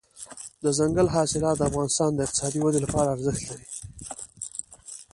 دځنګل حاصلات د افغانستان د اقتصادي ودې لپاره ارزښت لري.